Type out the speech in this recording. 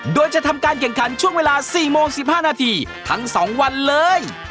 โดยจะทำการแข่งขันช่วงเวลา๔โมง๑๕นาทีทั้ง๒วันเลย